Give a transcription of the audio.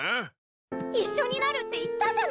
一緒になるって言ったじゃない。